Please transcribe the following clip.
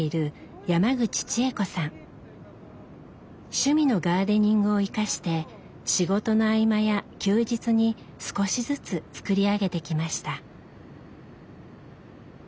趣味のガーデニングを生かして仕事の合間や休日に少しずつ作り上げてきました。